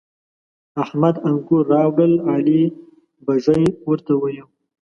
احمد انګور راوړل؛ علي بږۍ ورته ونيو.